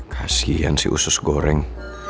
kasian sih usus goreng